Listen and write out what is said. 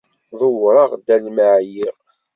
Dewwreɣ almi ɛyiɣ.